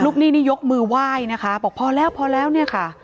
ลูกหนี้นี่ยกมือไหว้นะคะพอแล้วเนี่ยค่ะ